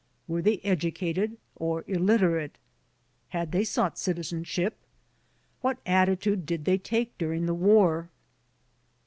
Were they educated or illiterate? Had they sought citizenship? What attitude did they take during the war